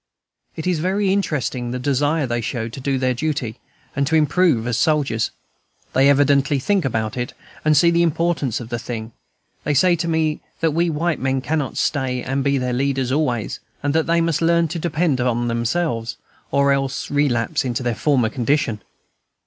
It is very interesting the desire they show to do their duty, and to improve as soldiers; they evidently think about it, and see the importance of the thing; they say to me that we white men cannot stay and be their leaders always and that they must learn to depend on themselves, or else relapse into their former condition.